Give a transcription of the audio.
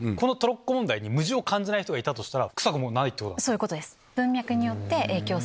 そういうことです。